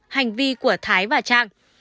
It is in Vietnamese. hành vi của thái và trang